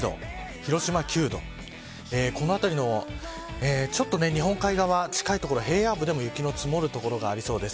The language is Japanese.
広島９度この辺りのちょっと日本海側近い所平野部でも雪の積もる所がありそうです。